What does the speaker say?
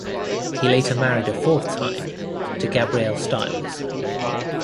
He later married a fourth time, to Gabrielle Styles.